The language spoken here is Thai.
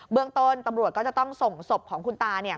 เรื่องต้นตำรวจก็จะต้องส่งศพของคุณตา